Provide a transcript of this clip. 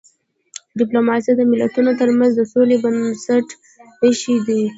ډيپلوماسي د ملتونو ترمنځ د سولې بنسټ ایښی دی.